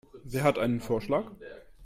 Wer hat einen Vorschlag?